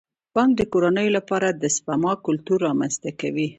بانک د کورنیو لپاره د سپما کلتور رامنځته کوي.